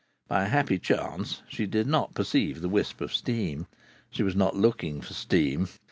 By a happy chance she did not perceive the wisp of steam. She was not looking for steam.